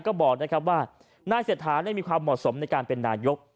ก็บอกนะครับว่านายเศรษฐามีความเหมาะสมในการเป็นนายก